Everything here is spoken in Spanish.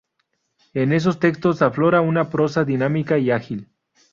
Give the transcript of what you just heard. En esos textos aflora una prosa dinámica y ágil.